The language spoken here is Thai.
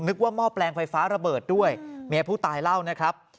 ว่าหม้อแปลงไฟฟ้าระเบิดด้วยเมียผู้ตายเล่านะครับ